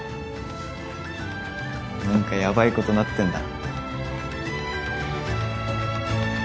何かヤバいことなってんだ？